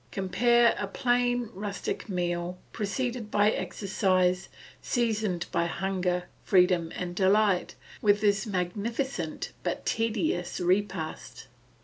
Compare a plain rustic meal, preceded by exercise, seasoned by hunger, freedom, and delight, with this magnificent but tedious repast.